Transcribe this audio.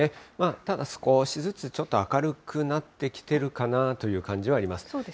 ただ、少しずつちょっと明るくなってきてるかなという感じはあります。